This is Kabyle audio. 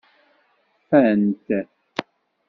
Fant.